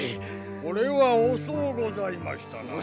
これは遅うございましたな。